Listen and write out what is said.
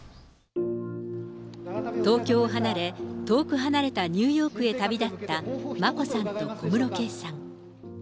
東京を離れ、遠く離れたニューヨークへ旅立った眞子さんと小室圭さん。